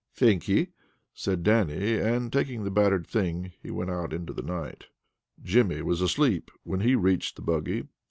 "Thank ye," said Dannie, and taking the battered thing, he went out into the night. Jimmy was asleep when he reached the buggy.